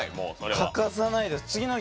欠かさないです。